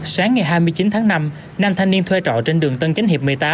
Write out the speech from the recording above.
sáng ngày hai mươi chín tháng năm nam thanh niên thuê trọ trên đường tân chánh hiệp một mươi tám